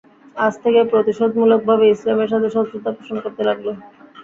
আজ থেকে প্রতিশোধমূলক ভাবে ইসলামের সাথে শত্রুতা পোষণ করতে লাগল।